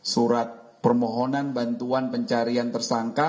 surat permohonan bantuan pencarian tersangka